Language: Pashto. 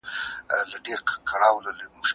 که خویندې عقیده ولري نو شک به نه کوي.